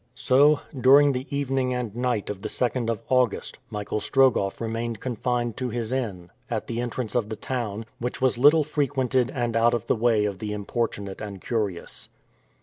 So, during the evening and night of the 2nd of August, Michael Strogoff remained confined to his inn, at the entrance of the town; which was little frequented and out of the way of the importunate and curious.